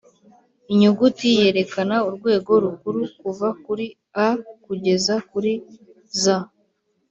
inyuguti yerekana urwego rukuru kuva kuri A kugeza kuri Z